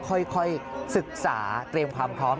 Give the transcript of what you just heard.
ค่อยศึกษาเตรียมความพร้อม